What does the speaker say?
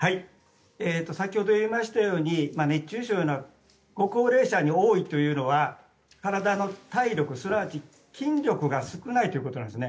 先ほど言いましたように熱中症がご高齢者に多いというのは体の体力すなわち筋力が少ないということなんです。